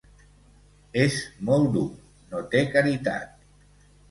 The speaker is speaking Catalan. És molt dur: no té caritat.